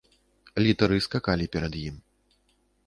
Літары скакалі перад ім.